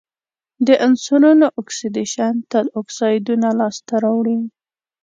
د عنصرونو اکسیدیشن تل اکسایدونه لاسته راوړي.